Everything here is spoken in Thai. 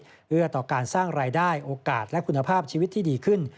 เพื่อต่อการสร้างรายได้โอกาสและคุณภาพชีวิตที่ดีขึ้น